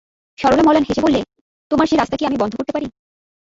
সরলা মলান হেসে বললে, তোমার সে রাস্তা কি আমি বন্ধ করতে পারি।